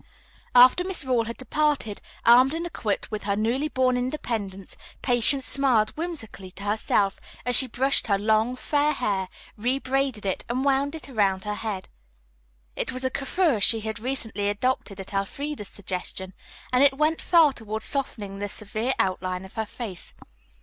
After Miss Rawle had departed, armed and equipped with her newly born independence, Patience smiled whimsically to herself as she brushed her long, fair hair, rebraided it and wound it about her head. It was a coiffure she had recently adopted at Elfreda's suggestion, and it went far toward softening the severe outline of her face.